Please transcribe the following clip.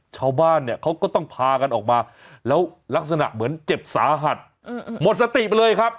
ชาวบ้านเนี่ยเขาก็ต้องพากันออกมาแล้วลักษณะเหมือนเจ็บสาหัสหมดสติไปเลยครับ